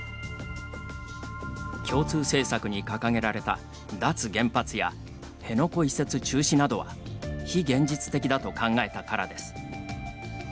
共通政策に掲げられた脱原発や辺野古移設中止などは非現実的だと考えたからです。